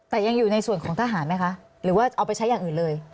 แต่ยังอยู่ในส่วนของทหารไหมคะหรือว่าเอาไปใช้อย่างอื่นเลย